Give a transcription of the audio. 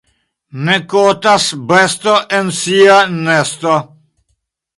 Ne kotas besto en sia nesto.